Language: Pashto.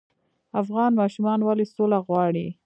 افغان ماشومان ولې سوله غواړي؟